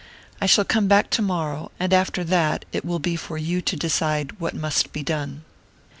I shall come back tomorrow, and after that it will be for you to decide what must be done."